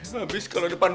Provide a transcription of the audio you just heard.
habis kalau depan wc bau